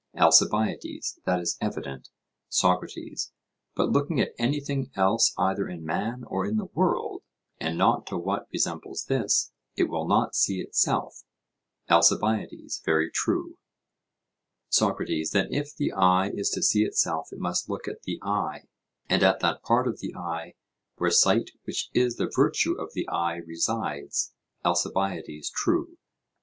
ALCIBIADES: That is evident. SOCRATES: But looking at anything else either in man or in the world, and not to what resembles this, it will not see itself? ALCIBIADES: Very true. SOCRATES: Then if the eye is to see itself, it must look at the eye, and at that part of the eye where sight which is the virtue of the eye resides? ALCIBIADES: True.